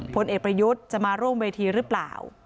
พลเอกประยุทธ์จะมาร่วมเวทีหรือเปล่า